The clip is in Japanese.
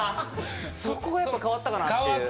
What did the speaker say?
そこがやっぱ変わったかなって。